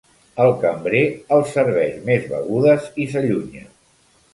El cambrer els serveix més begudes i s'allunya.